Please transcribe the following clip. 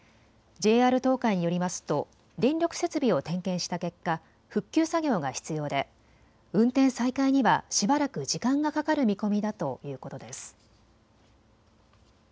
ＪＲ東海によりますと電力設備を点検した結果、復旧作業が必要で運転再開にはしばらく時間がかかる見込みだということです。